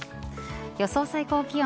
予想最高気温。